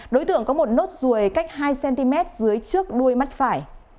đối tượng có một nốt ruồi cách hai cm dưới trước đuôi mắt phải